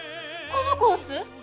このコース